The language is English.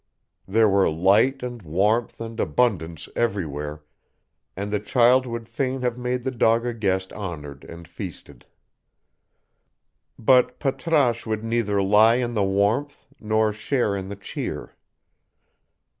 There were light and warmth and abundance everywhere, and the child would fain have made the dog a guest honored and feasted. But Patrasche would neither lie in the warmth nor share in the cheer.